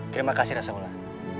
terima kasih rasulullah